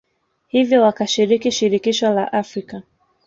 hivyo wakashiriki Shirikisho la Afrika